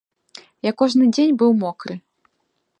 Я кожны дзень быў мокры.